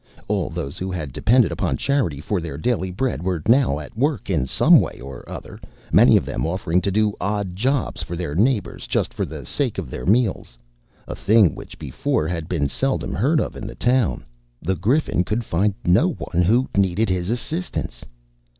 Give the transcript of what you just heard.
All those who had depended upon charity for their daily bread were now at work in some way or other; many of them offering to do odd jobs for their neighbors just for the sake of their meals,—a thing which before had been seldom heard of in the town. The Griffin could find no one who needed his assistance.